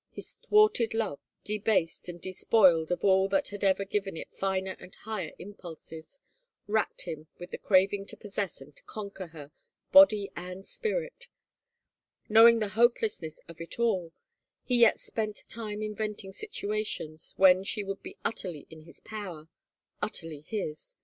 ... His thwarted love, debased and despoiled of all that had ever given it finer and higher impulses, racked him with the craving to possess and conquer her, body and spirit; knowing the hopelessness of it all, he yet spent time inventing situations when she would be utterly in his power, utterly his.